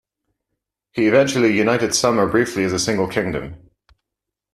He eventually united Sumer briefly as a single kingdom.